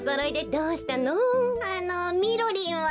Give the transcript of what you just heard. あのみろりんは？